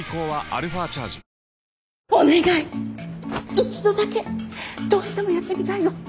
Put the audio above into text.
一度だけどうしてもやってみたいの。